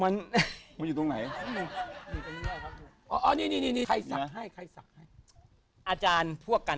อันนี้ไอ้สัญลักษณ์